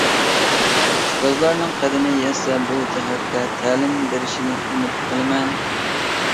ئۇستازلارنىڭ قەدىمى يەتسە بۇ جەھەتتە تەلىم بېرىشىنى ئۈمىد قىلىمەن!